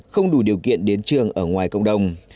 không đủ điều kiện đến trường ở ngoài cộng đồng